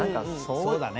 そうだね。